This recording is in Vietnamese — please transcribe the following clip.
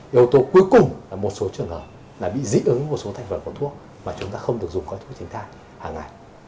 yếu tố cuối cùng là một số trường hợp là bị dị ứng một số thành phần của thuốc mà chúng ta không được dùng các thuốc tránh thai hàng ngày